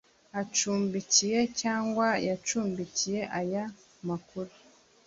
acumbikiye cyangwa yacumbikiye aya makuru